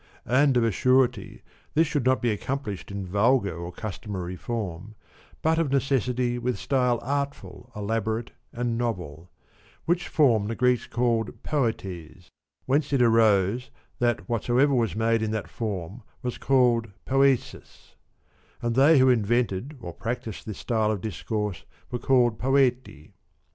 And of a surety this should not be accomplished in vulgar and customary form but of necessity with style artful, elaborate, and novel ; which form the Greeks called poetes ; whence it arose 62 that whatsoever was made in that form was called poesis ; and they who invented or practised this style of discourse were called poeti.